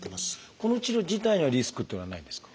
この治療自体にはリスクっていうのはないんですか？